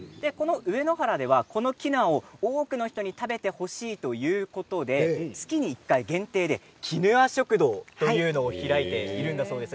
上野原ではこのキヌアを多くの人に食べてほしいということで月に１回限定でキヌア食堂というのを開いているんだそうです。